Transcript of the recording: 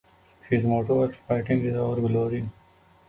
His motto was: Fighting is our glory!